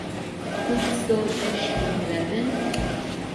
Heute soll es schön werden.